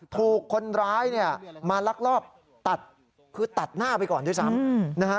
ถูกคนร้ายมาลักลอบตัดคือตัดหน้าไปก่อนด้วยซ้ำ